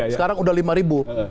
sekarang sudah lima ribu